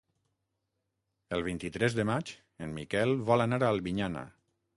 El vint-i-tres de maig en Miquel vol anar a Albinyana.